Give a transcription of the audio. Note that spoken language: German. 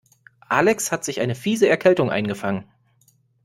Alex hat sich eine fiese Erkältung eingefangen.